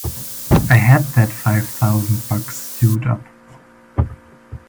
I had that five thousand bucks sewed up!